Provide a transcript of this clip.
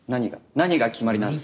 何が決まりなんです？